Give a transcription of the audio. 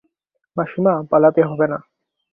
মাসিমা, পালাতে হবে না ।